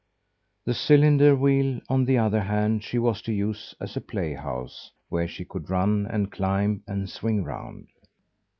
The cylinder wheel, on the other hand, she was to use as a play house, where she could run and climb and swing round.